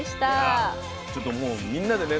いやちょっともうみんなでね